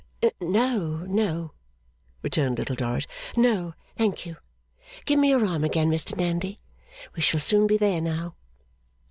'No, no,' returned Little Dorrit. 'No, thank you. Give me your arm again, Mr Nandy. We shall soon be there now.